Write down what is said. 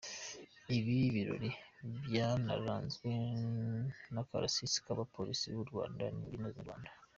Ibi birori byanaranzwe n’akarasisi k’abapolisi b’u Rwanda n’imbyino nyarwanda.